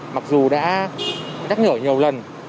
mặc dù đã nhắc nhở nhiều lần